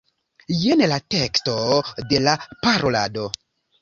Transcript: Jen la teksto de la parolado.